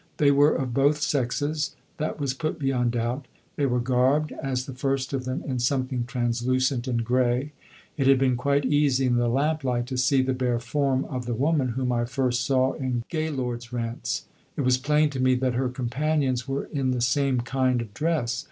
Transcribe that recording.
They were of both sexes that was put beyond doubt; they were garbed as the first of them in something translucent and grey. It had been quite easy in the lamplight to see the bare form of the woman whom I first saw in Gaylord's Rents. It was plain to me that her companions were in the same kind of dress.